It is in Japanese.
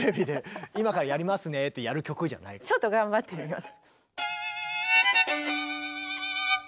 ちょっと頑張ってみます。